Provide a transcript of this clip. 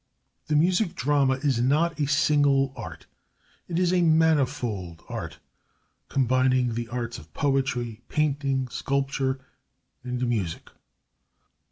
The Music Drama is not a single art. It is a manifold art, combining the arts of poetry, painting, sculpture, and music.